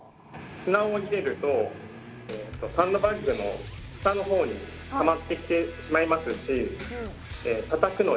砂を入れるとサンドバッグの下のほうにたまってきてしまいますしたたくのに固くなりすぎるんですね。